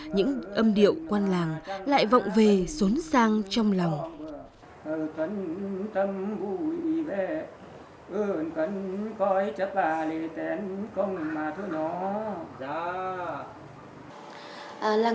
những âm điệu quang làng lại vọng về xuốn sang trong lòng